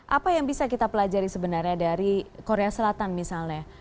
apa yang bisa kita pelajari sebenarnya dari korea selatan misalnya